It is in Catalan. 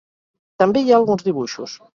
També hi ha alguns dibuixos.